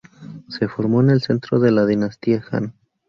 Se formó en el centro de la dinastía Han.